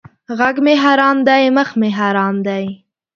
ږغ مې حرام دی مخ مې حرام دی!